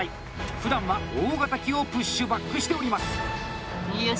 ふだんは大型機をプッシュバックしております。